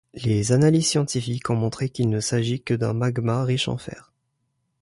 Les analyses scientifiques ont montré qu'il ne s'agit que d'un magma riche en fer.